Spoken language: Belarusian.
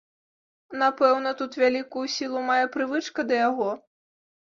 Напэўна, тут вялікую сілу мае прывычка да яго.